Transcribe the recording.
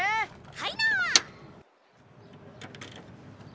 はいな！